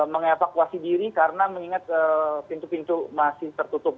mengevakuasi diri karena mengingat pintu pintu masih tertutup